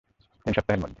তিন সপ্তাহের মধ্যে।